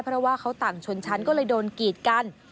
เพราะว่าเขาต่างชนชั้นก็เลยโดนกีดกัน